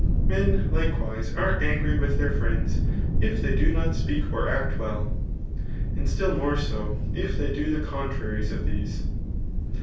Men likewise are angry with their friends if they do not speak or act well, and still more so, if they do the con traties to these.